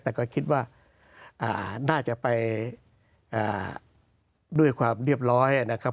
แต่ก็คิดว่าน่าจะไปด้วยความเรียบร้อยนะครับ